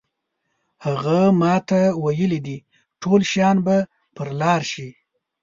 هغه ماته ویلي دي ټول شیان به پر لار شي.